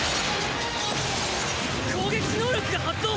攻撃時能力が発動。